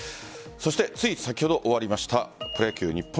そして、つい先ほど終わりました